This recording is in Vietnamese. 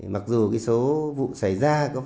mặc dù cái số vụ xảy ra